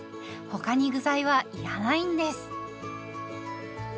他に具材は要らないんです。